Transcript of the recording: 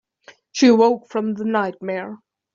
She awoke from the nightmare.